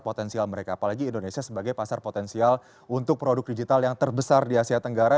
potensial mereka apalagi indonesia sebagai pasar potensial untuk produk digital yang terbesar di asia tenggara